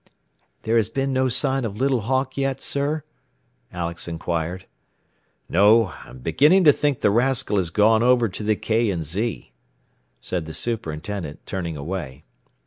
"There has been no sign of Little Hawk yet, sir?" Alex inquired. "No. I am beginning to think the rascal has gone over to the K. & Z.," said the superintendent, turning away.